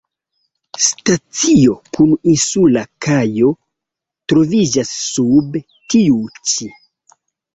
Stacio kun insula kajo troviĝas sub tiu ĉi.